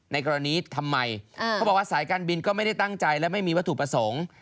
ในกรณีทำไมเขาบอกว่าสายการบินก็ไม่ได้ตั้งใจและไม่มีวัตถุประสงค์